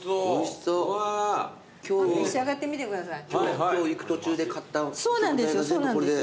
ちょっと召し上がってみてください。